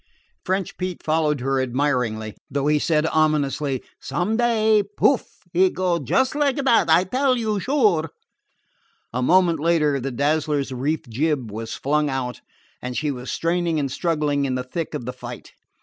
French Pete followed her admiringly, though he said ominously: "Some day, pouf! he go just like dat, I tell you, sure." A moment later the Dazzler's reefed jib was flung out, and she was straining and struggling in the thick of the fight.